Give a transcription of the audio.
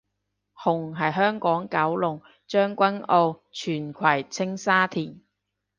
紅係香港九龍將軍澳荃葵青沙田